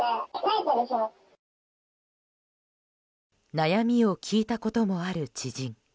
悩みを聞いたこともある知人。